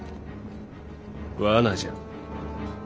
罠じゃ。